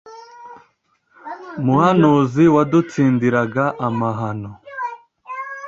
muhanuzi wadutsindiraga amahano,